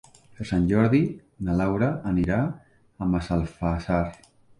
Per Sant Jordi na Laura anirà a Massalfassar.